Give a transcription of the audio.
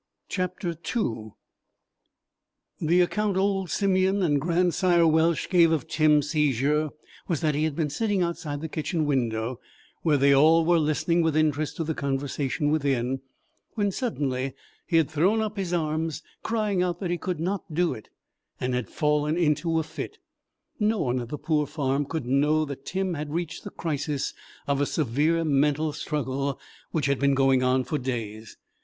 II The account old Simeon and Grandsire Welsh gave of Tim's seizure was that he had been sitting outside the kitchen window, where they all were listening with interest to the conversation within, when suddenly he had thrown up his arms, crying out that he could not do it, and had fallen in a fit. No one at the poor farm could know that Tim had reached the crisis of a severe mental struggle which had been going on for days.